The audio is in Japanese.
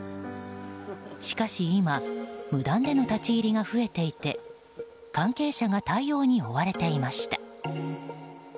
しかし今無断での立ち入りが増えていて関係者が対応に追われていました。